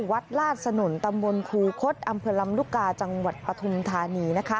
วัดลาสนุนตำบลครูคดอำเภอลำลุกาจังหวัดปฐมธานีนะคะ